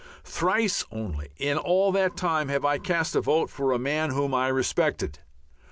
Thrice only in all that time have I cast a vote for a man whom I respected.